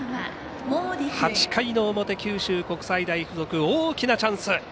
８回の表、九州国際大付属大きなチャンス。